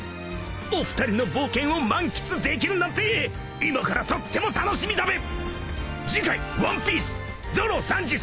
［お二人の冒険を満喫できるなんて今からとっても楽しみだべ！］